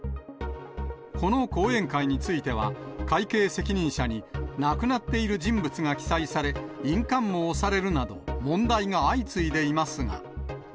この後援会については、会計責任者に、亡くなっている人物が記載され、印鑑も押されるなど、問題が相次いでいますが。